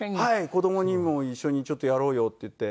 子供にも一緒にちょっとやろうよって言って。